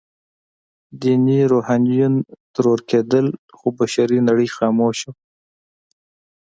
ديني روحانيون ترور کېدل، خو بشري نړۍ خاموشه وه.